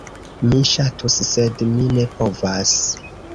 Mi ŝatus, sed mi ne povas.